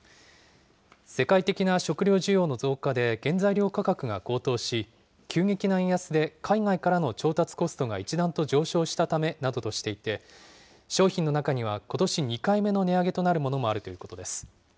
世界的な食料需要の増加で原材料価格が高騰し、急激な円安で海外からの調達コストが一段と上昇したためなどとしていて、商品の中には、ことし２回目の値上げとなるものもあるということです。